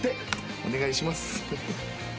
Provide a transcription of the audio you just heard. お願いします。